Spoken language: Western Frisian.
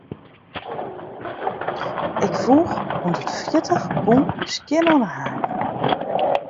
Ik woech hûndertfjirtich pûn skjin oan 'e heak.